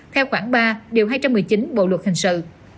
theo khoảng ba điều hai trăm một mươi chín bộ luật hình sự